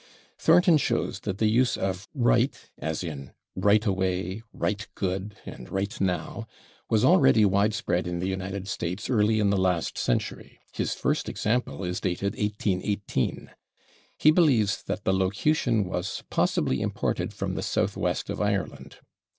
Thornton shows that the use of /right/, as in /right away/, /right good/ and /right now/, was already widespread in the United States early in the last century; his first example is dated 1818. He believes that the locution was "possibly imported from the southwest of Ireland."